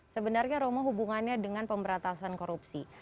sebenarnya romo hubungannya dengan pemberantasan korupsi